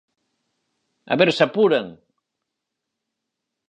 ¡A ver se apuran!